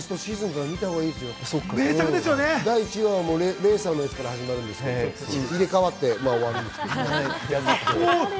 第１話はレーサーのやつから始まるんですけど、入れ替わって終わるんですけど。